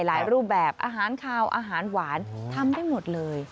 รูปแบบอาหารคาวอาหารหวานทำได้หมดเลย